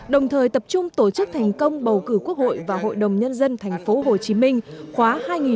đồng thời tập trung tổ chức thành công bầu cử quốc hội và hội đồng nhân dân tp hcm khóa hai nghìn một mươi một hai nghìn hai mươi sáu